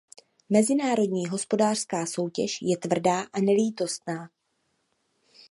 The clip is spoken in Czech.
Mezinárodní hospodářská soutěž je tvrdá a nelítostná.